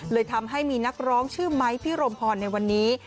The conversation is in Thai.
เลยทำให้มีนักร้องชื่อไม้พี่รมพรในวันนี้